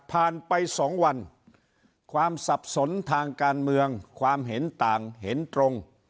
ไป๒วันความสับสนทางการเมืองความเห็นต่างเห็นตรง